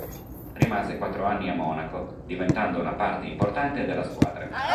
Rimase quattro anni a Monaco diventando una parte importante della squadra.